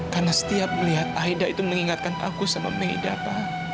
karena setiap melihat aida itu mengingatkan aku sama aida pak